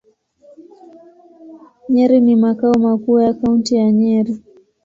Nyeri ni makao makuu ya Kaunti ya Nyeri.